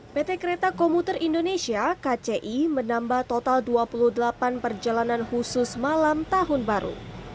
pt kereta komuter indonesia kci menambah total dua puluh delapan perjalanan khusus malam tahun baru